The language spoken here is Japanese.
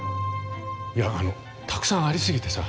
いやたくさんありすぎてさ。